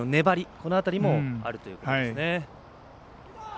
この辺りもあるということですね。